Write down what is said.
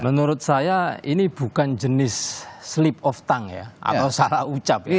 menurut saya ini bukan jenis sleep of tongk ya atau cara ucap